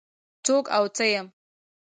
څوک او څه يم؟